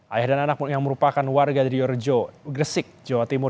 ayah dan anak yang merupakan warga diyorejo gresik jawa timur